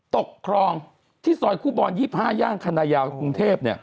ตกครองที่ซอยคู่บอล๒๕ย่างขนายาวกรุงเทพเนี่ย